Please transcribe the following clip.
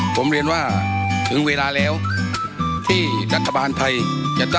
ผมเรียนว่าถึงเวลาแล้วที่รัฐบาลไทยจะได้